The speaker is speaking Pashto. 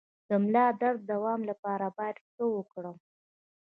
د ملا درد د دوام لپاره باید څه وکړم؟